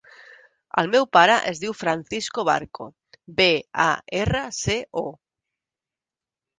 El meu pare es diu Francisco Barco: be, a, erra, ce, o.